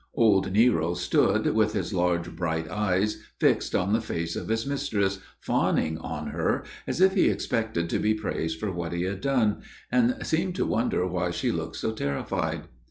Old Nero stood, with his large, bright eyes fixed on the face of his mistress, fawning on her, as if he expected to be praised for what he had done, and seemed to wonder why she looked so terrified.